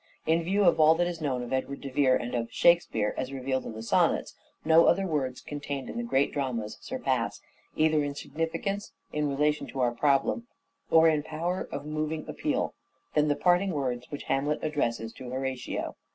In view of all that is known of Edward de Vere, Hamlet's and of " Shakespeare " as revealed in the Sonnets, ying aPPea no other words contained in the great dramas surpass, either in significance in relation to our problem, or in power of moving appeal, than the parting words which Hamlet addresses to Horatio.